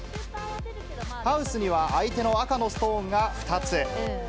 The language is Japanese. ハウスには、相手の赤のストーンが２つ。